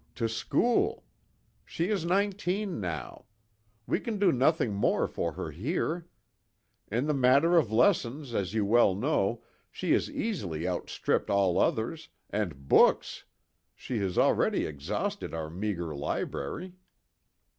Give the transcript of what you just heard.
To school. She is nineteen, now. We can do nothing more for her here. In the matter of lessons, as you well know, she has easily outstripped all others, and books! She has already exhausted our meagre library."